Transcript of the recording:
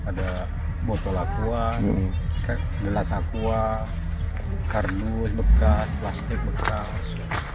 ada botol aqua gelas aqua kardus bekas plastik bekas